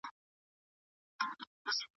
ورزش کول د سهار په وخت کې ډېر خوند ورکوي.